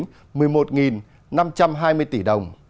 tức tính một mươi một năm trăm hai mươi tỷ đồng